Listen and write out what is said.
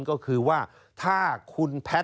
ก็คือว่าถ้าคุณแพทย์